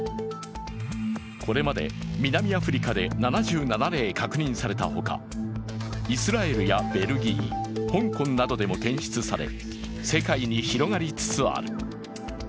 これまで南アフリカで７７例確認されたほかイスラエルやベルギー香港などでも検出され世界に広がりつつある。